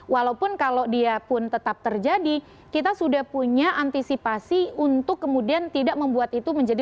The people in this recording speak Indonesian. walaupun kalau dia pun tetap terjadi kita sudah punya antisipasi untuk kemudian tidak membuat itu menjadi